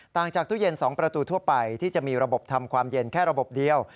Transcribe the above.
จากตู้เย็น๒ประตูทั่วไปที่จะมีระบบทำความเย็นแค่ระบบเดียว